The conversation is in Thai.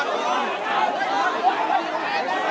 ตอนนี้รถพยาบาลมาแล้วนะคะ